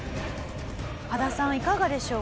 羽田さんいかがでしょう？